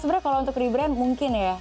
sebenarnya kalau untuk rebrand mungkin ya